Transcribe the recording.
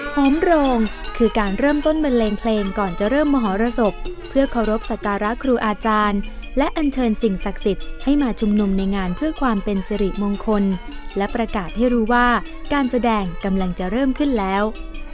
หอมโรงคือการเริ่มต้นบันเลงเพลงก่อนจะเริ่มมหรสบเพื่อเคารพสการะครูอาจารย์และอันเชิญสิ่งศักดิ์สิทธิ์ให้มาชุมนุมในงานเพื่อความเป็นสิริมงคลและประกาศให้รู้ว่าการแสดงกำลังจะเริ่มขึ้นแล้ว